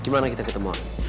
gimana kita ketemu